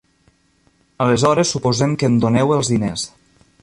Aleshores suposem que em doneu els diners.